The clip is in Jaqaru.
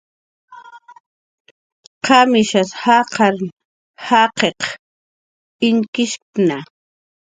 ¿Qamishas jaqar jaqiq inkishkna?